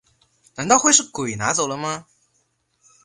难道会是鬼拿走了吗